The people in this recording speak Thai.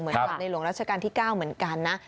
เหมือนกับในหลวงราชการที่๙เหมือนกันนะ